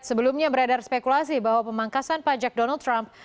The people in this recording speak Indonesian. sebelumnya beredar spekulasi bahwa pemangkasan pajak donald trump